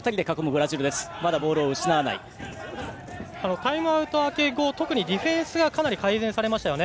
タイムアウト明け後特にディフェンスがかなり改善されましたよね。